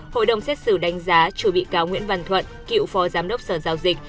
hội đồng xét xử đánh giá chủ bị cáo nguyễn văn thuận cựu phó giám đốc sở giao dịch